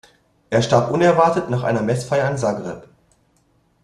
Er starb unerwartet nach einer Messfeier in Zagreb.